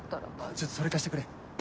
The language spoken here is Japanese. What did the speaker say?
ちょっとそれ貸してくれ。